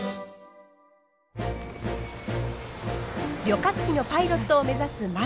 旅客機のパイロットを目指す舞。